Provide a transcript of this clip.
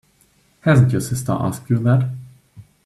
Hasn't your sister asked you that?